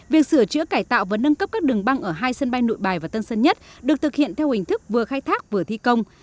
việc sửa chữa cải tạo và nâng cấp các đường băng ở hai sân bay nội bài và tân sân nhất được thực hiện theo hình thức vừa khai thác vừa thi công